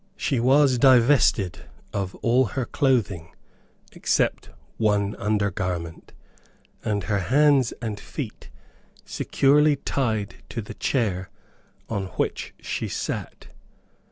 She was divested of all her clothing except one under garment, and her hands and feet securely tied to the chair on which she sat.